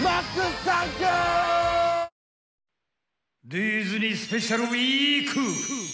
ディズニースペシャルウィーク！